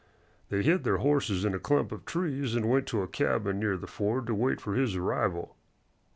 They hid their horses in a clump of trees and went to a cabin near the ford to wait for his arrival.